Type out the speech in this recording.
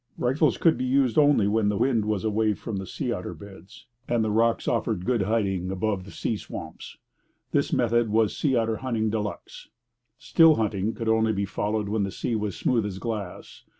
Rifles could be used only when the wind was away from the sea otter beds and the rocks offered good hiding above the sea swamps. This method was sea otter hunting de luxe. Still hunting could only be followed when the sea was smooth as glass.